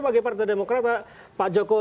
bagai partai demokrata pak joko